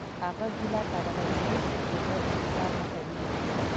هغه ګیله کوله چې هیڅوک د ده انتظار نه کوي